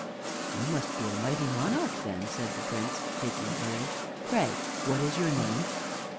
"You must be a mighty monarch, then," said the young Prince, taking courage, "Pray, what is your name?"